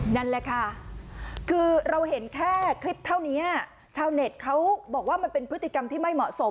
นั่นแหละค่ะคือเราเห็นแค่คลิปเท่านี้ชาวเน็ตเขาบอกว่ามันเป็นพฤติกรรมที่ไม่เหมาะสม